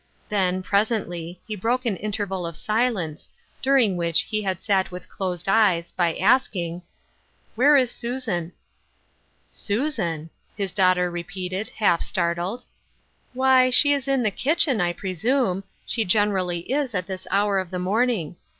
Then, pres ently, he broke an interval of silence, during which he had sat with closed eyes, by asking :" Where is Susan ?'*" Susan I " his daughter repeated, half startled. " Why, she is in the kitchen, I presume ; she generally is, at this hour of the morning.